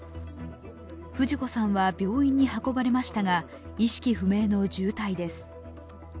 富士子さんは病院に運ばれましたが、意識不明の重体です。